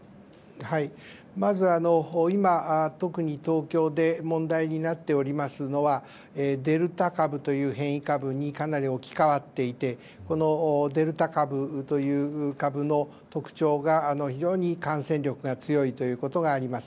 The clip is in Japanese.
まず今、特に東京で問題になっておりますのはデルタ株という変異株にかなり置き換わっていてこのデルタ株という株の特徴が非常に感染力が強いということがあります。